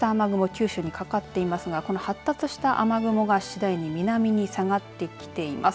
九州にかかっていますがこの発達した雨雲が次第に南に下がってきています。